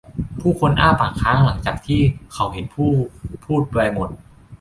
ผู้คนอ้าปากค้างหลังจากที่เขาเห็นผู้พูดเปลือยหมด